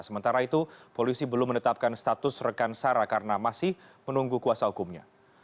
sementara itu polisi belum menetapkan status rekan sarah karena masih menunggu kuasa hukumnya